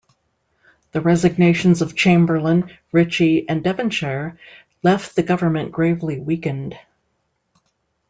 The resignations of Chamberlain, Ritchie and Devonshire left the government gravely weakened.